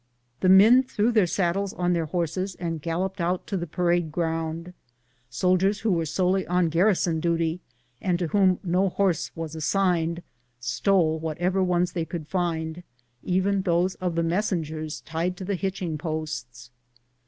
The men threw their saddles on their horses and galloped out to the parade ground. Soldiers who were solely on garrison duty, and to whom no horse was assigned, stole whatever ones they could find, even those of the messengers tied to the hitching posts.